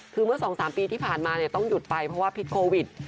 คือเมื่อสองสามปีที่ผ่านมาเนี่ยต้องหยุดไปเพราะว่าผิดโควิด